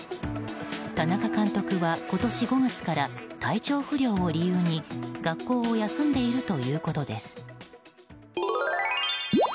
田中監督は、今年５月から体調不良を理由に学校を休んでいるということです。